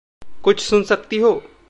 कुछ सुन सकती हो?